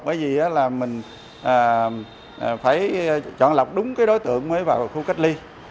bởi vì là mình phải chọn lọc đúng cái đối tượng mới vào khu cách ly